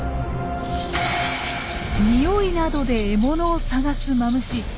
においなどで獲物を探すマムシ。